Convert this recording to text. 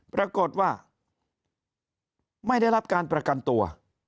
ปรากฏว่าไม่ได้รับการประกันตัว